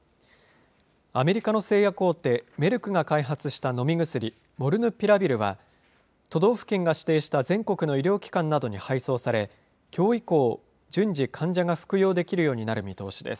アメリカの製薬大手、メルクが開発した飲み薬、モルヌピラビルは、都道府県が指定した全国の医療機関などに配送され、きょう以降、順次患者が服用できるようになる見通しです。